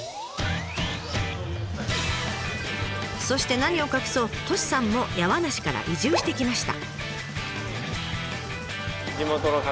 そして何を隠そうＴｏｓｈｉさんも山梨から移住してきました。